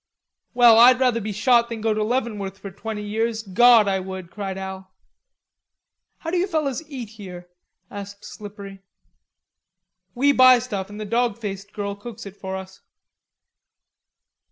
"Well, I'd rather be shot than go to Leavenworth for twenty years, Gawd! I would," cried Al. "How do you fellers eat here?" asked Slippery. "We buy stuff an' the dawg faced girl cooks it for us."